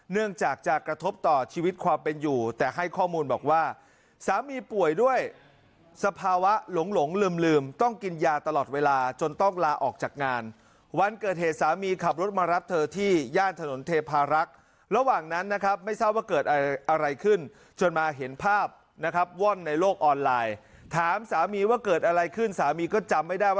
เนื่องจากจะกระทบต่อชีวิตความเป็นอยู่แต่ให้ข้อมูลบอกว่าสามีป่วยด้วยสภาวะหลงลืมต้องกินยาตลอดเวลาจนต้องลาออกจากงานวันเกิดเหตุสามีขับรถมารับเธอที่ย่านถนนเทพารักษ์ระหว่างนั้นนะครับไม่ทราบว่าเกิดอะไรขึ้นจนมาเห็นภาพนะครับว่อนในโลกออนไลน์ถามสามีว่าเกิดอะไรขึ้นสามีก็จำไม่ได้ว่า